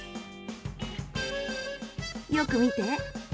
よく見て。